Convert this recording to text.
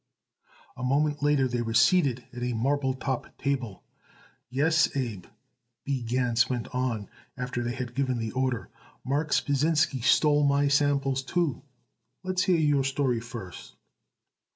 A moment later they were seated at a marble top table. "Yes, Abe," B. Gans went on after they had given the order, "Marks Pasinsky stole my samples, too. Let's hear your story first."